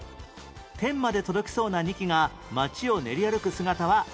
天まで届きそうな２基が街を練り歩く姿は圧巻